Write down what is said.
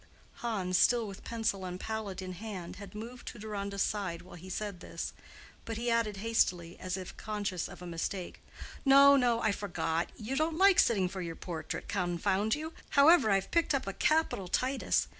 Hans, still with pencil and palette in hand, had moved to Deronda's side while he said this, but he added hastily, as if conscious of a mistake, "No, no, I forgot; you don't like sitting for your portrait, confound you! However, I've picked up a capital Titus.